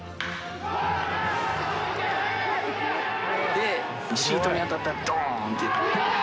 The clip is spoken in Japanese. で、シートに当たった、どーんって。